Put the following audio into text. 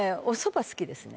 好きですね。